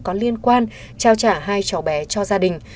có liên quan trao trả hai cháu bé cho gia đình